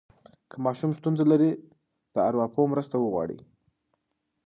که ماشوم ستونزه لري، د ارواپوه مرسته وغواړئ.